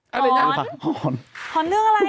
หอนเรื่องอะไรเนี่ย